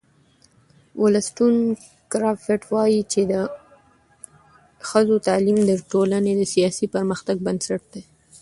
ولستون کرافټ وایي چې د ښځو تعلیم د ټولنې د سیاسي پرمختګ بنسټ دی.